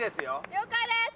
了解です！